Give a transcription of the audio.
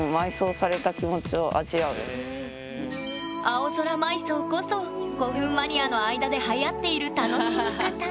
青空埋葬こそ古墳マニアの間ではやっている楽しみ方。